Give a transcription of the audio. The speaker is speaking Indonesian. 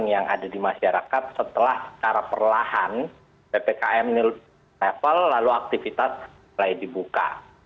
yang ada di masyarakat setelah secara perlahan ppkm ini level lalu aktivitas mulai dibuka